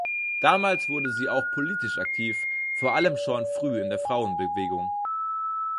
Damals wurde sie auch politisch aktiv, vor allem schon früh in der Frauenbewegung.